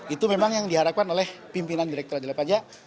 itu memang yang diharapkan oleh pimpinan direkturat jenderal pajak